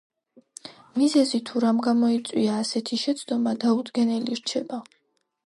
მიზეზი, თუ რამ გამოიწვია ასეთი შეცდომა, დაუდგენელი რჩება.